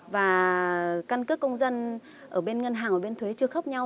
và căn cước công dân ở bên ngân hàng ở bên thuế chưa khớp nhau